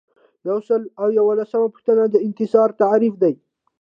یو سل او یوولسمه پوښتنه د انتظار تعریف دی.